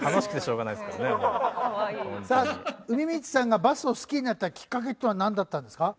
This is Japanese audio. うみみちさんがバスを好きになったきっかけとはなんだったんですか？